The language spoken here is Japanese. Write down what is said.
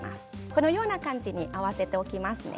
このような感じに合わせておきます。